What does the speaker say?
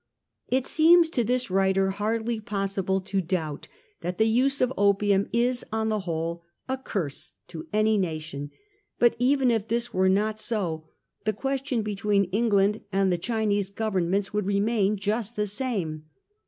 It seems to this writer hardly possible to doubt that the use of opium is, on the whole, a curse to any nation ^ but, even if this were not so, the question between England and the Chinese governments would remain just the same.